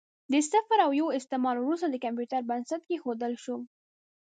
د صفر او یو استعمال وروسته د کمپیوټر بنسټ کېښودل شو.